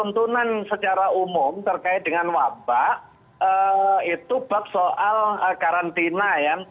tuntutan secara umum terkait dengan wabah itu berkaitan dengan karantina ya